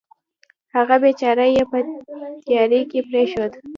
هغه بېچاره یې په تیارې کې پرېښود.